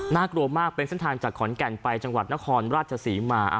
กลัวมากเป็นเส้นทางจากขอนแก่นไปจังหวัดนครราชศรีมา